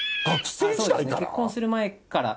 結婚する前から。